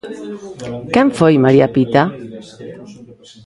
Quen foi María Pita?